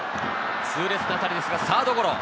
痛烈な当たりですがサードゴロ。